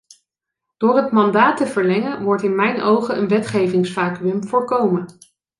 Door het mandaat te verlengen wordt in mijn ogen een wetgevingsvacuüm voorkomen.